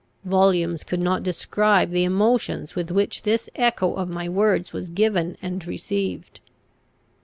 [Volumes could not describe the emotions with which this echo of my words was given and received.